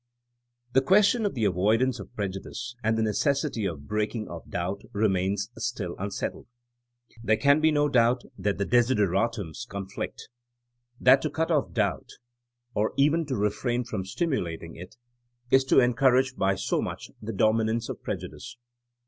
The question of the avoidance of prejudice and the necessity of breaking off doubt, remains still unsettled. There can be no doubt that the two desideratums conflict ; that to cut off doubt, THINKma AS A SCIENCE 127 or even to refrain from stimulating it, is to en courage by so much the dominance of preju dice.